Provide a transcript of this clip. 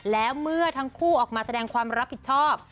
แล้วเมื่อทั้งคู่ออกมาแสดงความรับผิดชอบ